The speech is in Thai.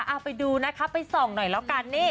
เอาไปดูนะคะไปส่องหน่อยแล้วกันนี่